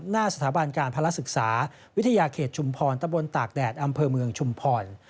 หน้าสถาบันการภาระศึกษาวิทยาเขตชุมพรตะบนตากแดดอำเภอเมืองชุมพร